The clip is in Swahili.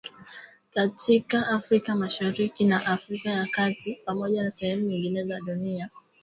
katika Afrika Mashariki na Afrika ya kati Pamoja na sehemu nyingine za dunia kupitia ukurasa wetu wa mtandao.